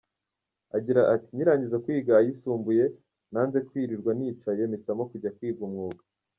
Agira ati “Nkirangiza kwiga ayisumbuye nanze kwirirwa nicaye mpitamo kujya kwiga umwuga.